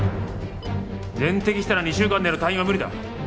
全摘したら２週間での退院は無理だ。